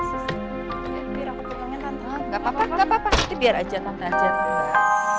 ini mau ke kamar mendingan kita jauh daripada ngadepin ini ke gua